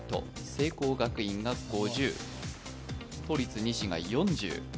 聖光学院が５０、都立西が４０。